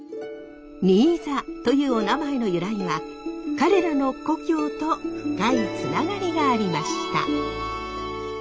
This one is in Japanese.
新座というおなまえの由来は彼らの故郷と深いつながりがありました。